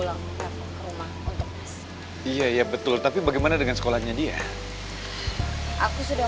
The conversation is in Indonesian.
jangan mereka mau masuk ke sekolah merah putih lagi